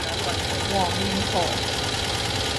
黃面婆